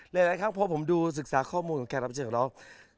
หลายครั้งพอผมดูศึกษาข้อมูลของแขกรับเชิญของเรา